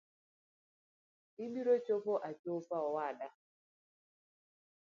Ibiro chopo achopa owada.